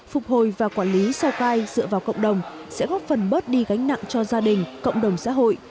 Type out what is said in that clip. phục hồi và quản lý sao cai dựa vào cộng đồng sẽ góp phần bớt đi gánh nặng cho gia đình cộng đồng xã hội